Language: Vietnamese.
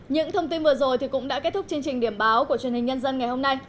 những thông tin vừa rồi cũng đã kết thúc chương trình điểm báo của truyền hình nhân dân ngày hôm nay